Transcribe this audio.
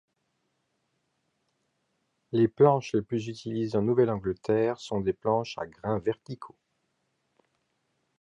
Les planches les plus utilisées en Nouvelle-Angleterre sont des planches à grains verticaux.